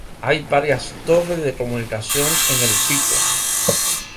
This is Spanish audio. Hay varias torres de comunicación en el pico.